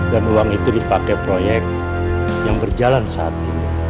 dan uang itu dipakai proyek yang berjalan saat ini